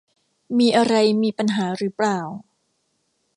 มีอะไรมีปัญหาหรือเปล่า